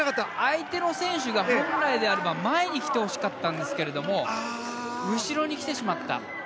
相手の選手に本来であれば前に来てほしかったんですが後ろに来てしまった。